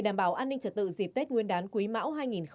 đảm bảo an ninh trật tự dịp tết nguyên đán quý mãu hai nghìn hai mươi ba